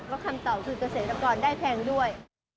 แล้วคำตอบคือเกษตรกรได้แพงด้วย